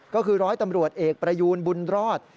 ก็คือร้อยตำรวจเอกประยูนบุญรอด